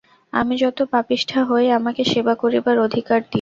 আমি যত পাপিষ্ঠা হই আমাকে সেবা করিবার অধিকার দিয়ো।